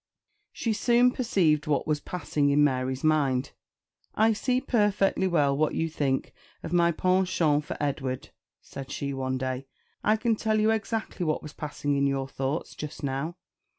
She soon perceived what was passing in Mary's mind. "I see perfectly well what you think of my penchant for Edward," said she one day; "I can tell you exactly what was passing in your thoughts just now.